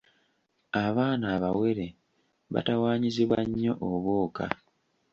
Abaana abawere batawaanyizibwa nnyo obwoka.